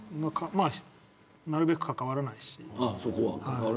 なるべく関わらないし。